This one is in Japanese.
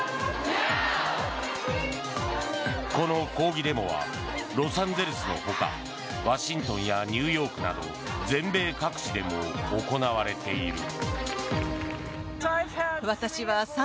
この抗議デモはロサンゼルスのほかワシントンやニューヨークなど全米各地でも行われている。